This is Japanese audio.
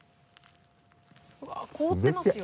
わぁ凍ってますよ。